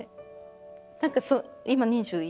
何かそう今２１？